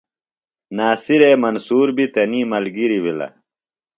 ناصرے منصور بیۡ تنی ملگریۡ بِھلہ۔